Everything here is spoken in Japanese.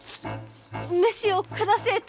飯を下せえと！